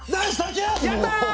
やった！